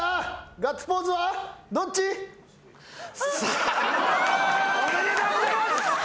うわ！おめでとうございます。